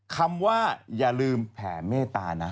คำว่าอย่าลืมแผ่เมตตานะ